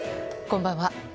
こんばんは。